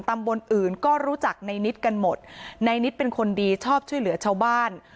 ตำบลอื่นก็รู้จักในนิดกันหมดในนิดเป็นคนดีชอบช่วยเหลือชาวบ้าน